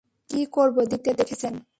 না-কি কবর দিতে দেখেছেন?